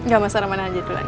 enggak mas arman aja duluan